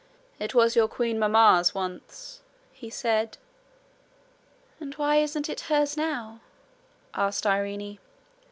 'It was your queen mamma's once,' he said. 'And why isn't it hers now?' asked Irene.